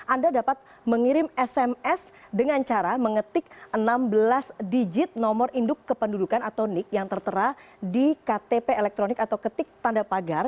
anda dapat mengirim sms dengan cara mengetik enam belas digit nomor induk kependudukan atau nik yang tertera di ktp elektronik atau ketik tanda pagar